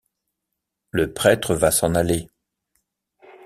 Le prêtre va s’en aller.